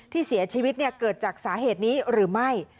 ที่เสียชีวิตเกิดจากสาเหตุนี้หรือไม่